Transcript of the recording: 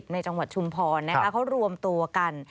ในจังหวัดชุมพรนะคะเขารวมตัวกัน